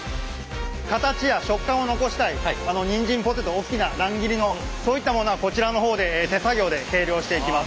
形や食感を残したいニンジンポテト大きな乱切りのそういったものはこちらの方で手作業で計量していきます。